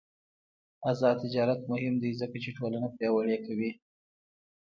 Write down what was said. آزاد تجارت مهم دی ځکه چې ټولنه پیاوړې کوي.